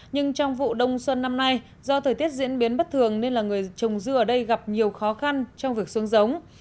nhưng trong vụ đông xuân năm nay do thời tiết diễn biến bất thường nên là người trồng dưa ở đây gặp nhiều khó khăn trong việc xuống giống